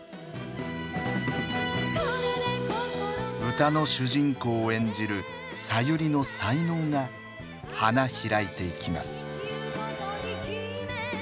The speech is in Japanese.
歌の主人公を演じるさゆりの才能が花開いていきます。